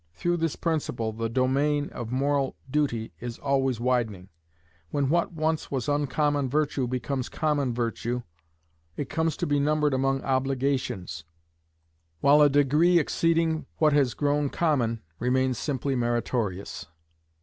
Through this principle the domain of moral duty is always widening. When what once was uncommon virtue becomes common virtue, it comes to be numbered among obligations, while a degree exceeding what has grown common, remains simply meritorious.